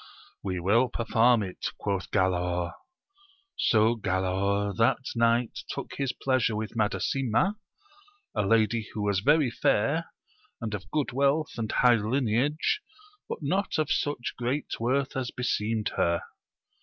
We will perform it ! quoth Galaor. So Galaor that night took his pleasure with Madasima, a lady who was very fair, and of good wealth and . high lineage, but not of such great worth as beseemed her.